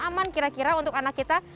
aman kira kira untuk anak kita